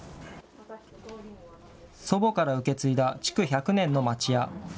祖母から受け継いだ築１００年の町家。